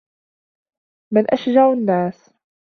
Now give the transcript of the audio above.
مَنْ أَشْجَعُ النَّاسِ